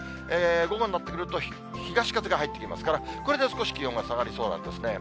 午後になってくると東風が入ってきますから、これで少し気温が下がりそうなんですね。